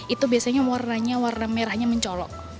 itu biasanya warnanya warna merahnya mencolok